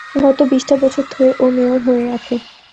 গত বিশটা বছর ধরে ও মেয়র হয়ে আছে।